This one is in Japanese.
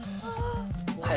はい。